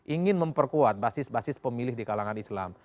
ingin memperkuat basis basis pemilih di kalangan islam